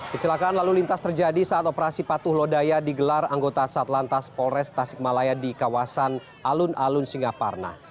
kecelakaan lalu lintas terjadi saat operasi patuh lodaya digelar anggota satlantas polres tasikmalaya di kawasan alun alun singaparna